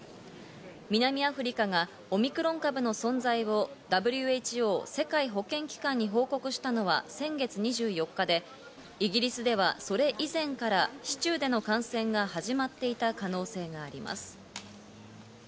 南アフリカがオミクロン株の存在をＷＨＯ＝世界保健機関に報告したのは先月２４日で、イギリスではそれ以前から市中での感染が始まっていた可能性があります。